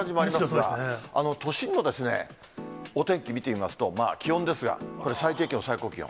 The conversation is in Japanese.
だんだんだんだん、加速してる感じもありますが、都心のお天気見てみますと、気温ですが、これ、最低気温、最高気温。